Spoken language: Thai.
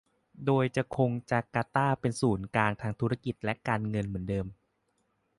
โดยจะคงจาการ์ตาเป็นศูนย์กลางทางธุรกิจและการเงินเหมือนเดิม